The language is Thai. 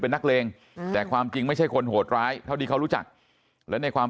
เป็นนักเลงแต่ความจริงไม่ใช่คนโหดร้ายเท่าที่เขารู้จักและในความ